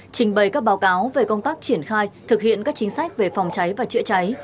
trình bày các báo cáo về công tác triển khai thực hiện các chính sách về phòng cháy và chữa cháy